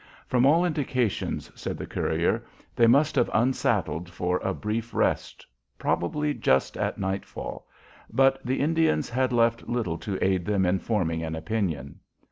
From all indications, said the courier, they must have unsaddled for a brief rest, probably just at nightfall; but the Indians had left little to aid them in forming an opinion.